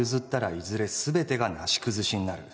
いずれ全てがなし崩しになる